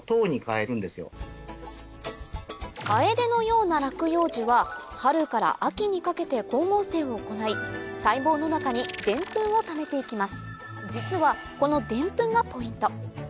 カエデのような落葉樹は春から秋にかけて光合成を行い細胞の中にデンプンをためて行きます